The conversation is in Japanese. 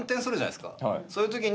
そういうときに。